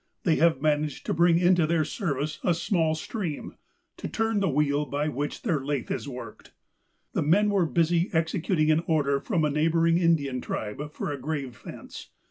They have managed to bring into their service a small stream, to turn the wheel by which their lathe is worked. The men were busy executing an order from a neighbouring Indian tribe for a grave fence.